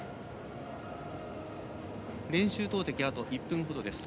練習投てき、あと１分ほどです。